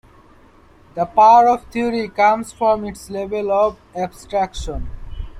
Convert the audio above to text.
The power of the theory comes from its level of abstraction.